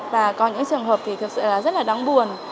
và có những trường hợp thì thực sự là rất là đáng buồn